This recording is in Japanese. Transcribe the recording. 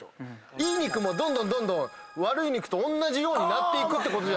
いい肉もどんどんどんどん悪い肉とおんなじようになっていくってことじゃ。